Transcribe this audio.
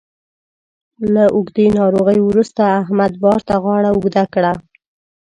له اوږدې ناروغۍ وروسته احمد بار ته غاړه اوږده کړه